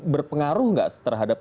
berpengaruh gak terhadap